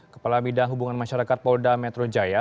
kepala bidang hubungan masyarakat polda metro jaya